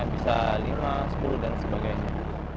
bisa lima sepuluh dan sebagainya